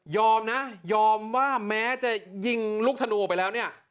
นะยอมว่าแม้จะยิงลูกธนูไปแล้วเนี่ย